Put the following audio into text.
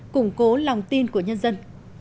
củng cố lòng tin của nhân dân